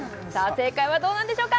正解はどうなんでしょうか